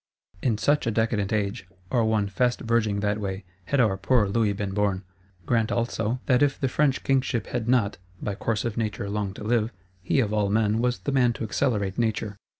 In such a decadent age, or one fast verging that way, had our poor Louis been born. Grant also that if the French Kingship had not, by course of Nature, long to live, he of all men was the man to accelerate Nature.